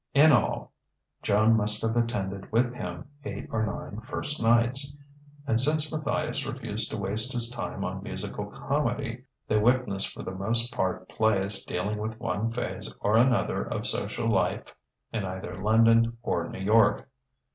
In all, Joan must have attended with him eight or nine first nights; and since Matthias refused to waste his time on musical comedy, they witnessed for the most part plays dealing with one phase or another of social life in either London or New York.